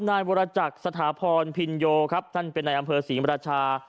นายวรจักรสถาพรพินโยครับท่านเป็นในอำเภอศรีมราชา